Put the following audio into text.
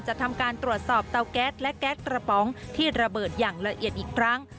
ทำการตรวจสอบเตาแก๊สและแก๊สกระป๋องที่ระเบิดอย่างละเอียดอีกครั้ง